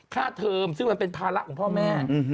เทอมซึ่งมันเป็นภาระของพ่อแม่